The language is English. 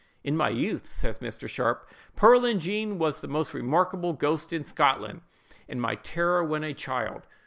"In my youth," says Mr. Sharpe, "Pearlin Jean was the most remarkable ghost in Scotland, and my terror when a child.